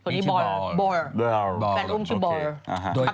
นี่ชื่อบอน